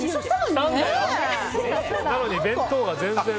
なのに弁当は全然。